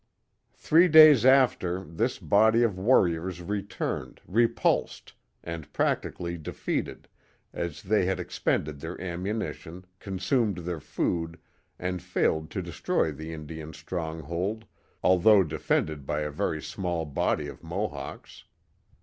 Three days after, this body of warriors returned, repulsed, and practically defeated, as they had expended their ammunition, consumed their food, and failed to destroy the Indian strong hold, although defended by a very small body of Mohawks.